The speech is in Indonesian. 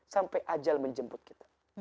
sampai ajal menjemput kita